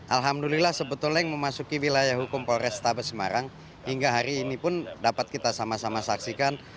alhamdulillah sebetulnya yang memasuki wilayah hukum polrestabes semarang hingga hari ini pun dapat kita sama sama saksikan